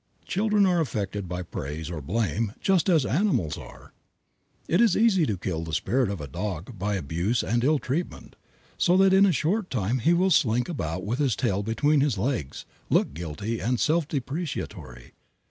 Children are affected by praise or blame just as animals are. It is easy to kill the spirit of a dog by abuse and ill treatment, so that in a short time he will slink about with his tail between his legs, look guilty and self depreciatory.